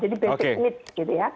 jadi basic needs gitu ya